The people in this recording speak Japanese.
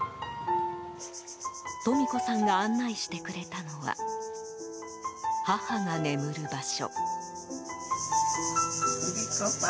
トミコさんが案内してくれたのは母が眠る場所。